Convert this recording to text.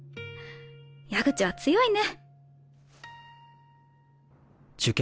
矢口は強いね。